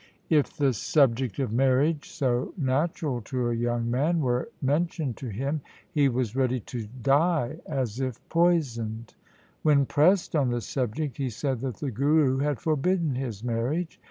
LIFE OF GURU GOBIND SINGH 115 the subject of marriage, so natural to a young man, were mentioned to him, he was ready to die as if poisoned. When pressed on the subject, he said that the Guru had forbidden his marriage.